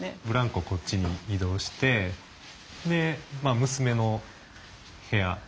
ブランコこっちに移動してで娘の部屋。